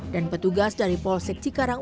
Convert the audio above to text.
dan petugas dari polsek cikarang